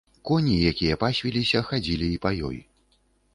Коні, якія пасвіліся, хадзілі і па ёй.